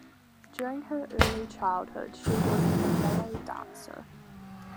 During her early childhood she was a ballet dancer.